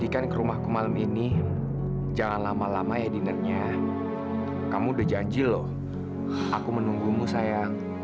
sampai jumpa di video selanjutnya